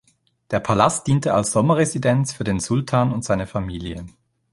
Der Palast diente als Sommerresidenz für den Sultan und seine Familie.